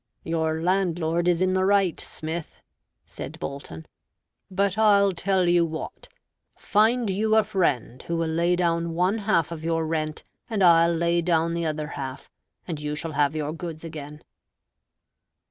"Your landlord is in the right, Smith" (said Bolton). "But I'll tell you what: find you a friend who will lay down one half of your rent, and I'll lay down the other half; and you shall have your goods again."